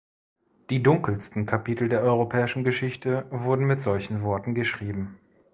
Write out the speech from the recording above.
Die dunkelsten Kapitel der europäischen Geschichte wurden mit solchen Worten geschrieben.